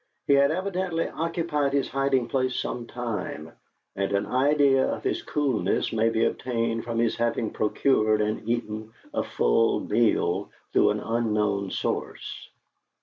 He had evidently occupied his hiding place some time, and an idea of his coolness may be obtained from his having procured and eaten a full meal through an unknown source.